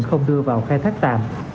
không đưa vào khai thác tạm